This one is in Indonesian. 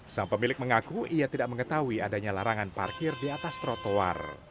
sang pemilik mengaku ia tidak mengetahui adanya larangan parkir di atas trotoar